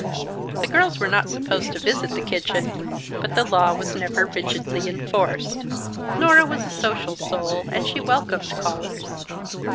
The girls were not supposed to visit the kitchen, but the law was never rigidly enforced. Nora was a social soul and she welcomed callers.